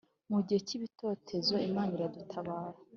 Mu gihe cy ibitotezo imana iradutabara